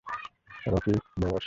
Rocky, বস।